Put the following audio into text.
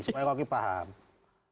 supaya rocky pak bisa lihat itu ya pak